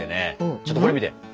ちょっとこれ見て。